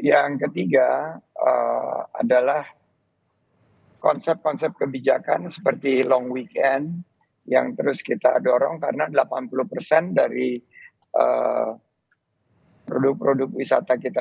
yang ketiga adalah konsep konsep kebijakan seperti long weekend yang terus kita dorong karena delapan puluh persen dari produk produk wisata kita